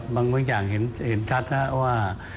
บางอย่างเห็นชัดนะครับว่า